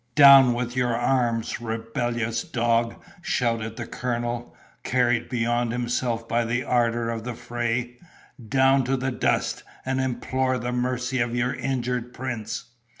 "Down with your arms, rebellious dog!" shouted the colonel, carried beyond himself by the ardor of the fray, "down to the dust, and implore the mercy of your injured prince!"